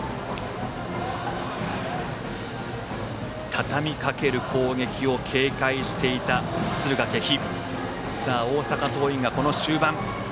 たたみかける攻撃を警戒していた敦賀気比。